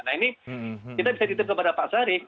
nah ini kita bisa dititip kepada pak syarif